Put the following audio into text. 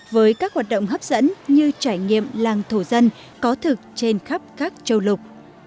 với các hoạt động hấp dẫn như trải nghiệm làng thổ dân có thực trên khắp các châu lục